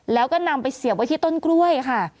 แล้วก็นำไปเสียบไว้ที่ต้นกล้วยค่ะ